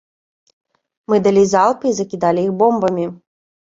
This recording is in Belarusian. Мы далі залп і закідалі іх бомбамі.